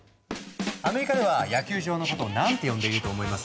アメリカでは野球場のことを何て呼んでいると思います？